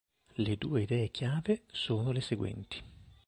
Le due idee chiave sono le seguenti.